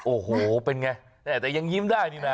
โอ้โหเป็นไงแต่ยังยิ้มได้นี่นะ